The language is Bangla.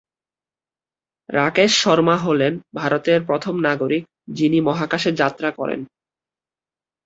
রাকেশ শর্মা হলেন ভারতের প্রথম নাগরিক যিনি মহাকাশে যাত্রা করেন।